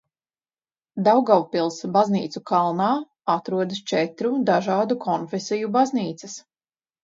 Daugavpils Baznīcu kalnā atrodas četru dažādu konfesiju baznīcas.